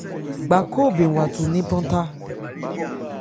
Gba khó bɛn wa thu nnephan thá.